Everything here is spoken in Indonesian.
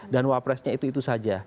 dan wapres nya itu itu saja